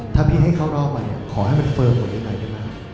ถ้าพี่ให้เขารอบมาขอให้มันเฟิร์มหน่อยด้วยนะ